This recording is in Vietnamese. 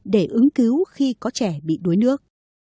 để ứng cứu khi có trẻ bị đuối nước